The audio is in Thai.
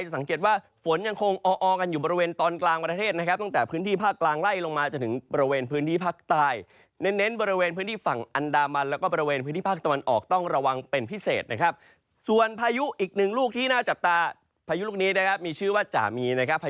ส่วนภายุอีกนึงลูกที่หน้าจับตามีชื่อว่าจามี